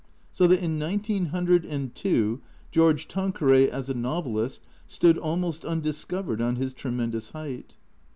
So that in nineteen hundred and two George Tanqueray, as a novelist, stood 'almost undiscovered on his tremendous height.